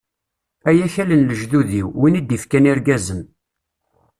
Ay akal n lejdud-iw, win i d-ifkan irgazen.